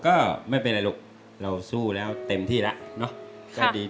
ก็ดีแล้วที่เรามีความสามารถมาถึงจะเป็นข้อผิดพลาดเล็กน้อย